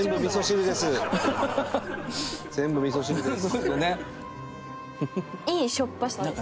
全部味噌汁です。